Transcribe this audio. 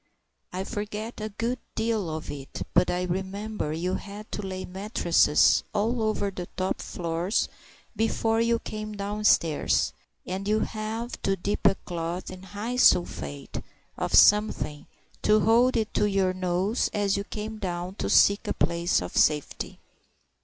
I forget a good deal of it, but I remember you had to lay mattresses all over the top floors before you came downstairs, and you had to dip a cloth in hyposulphate of something, and hold it to your nose as you came down to seek a place of safety.